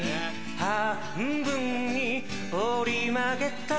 半分に折り曲げた